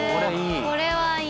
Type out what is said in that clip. これはいい。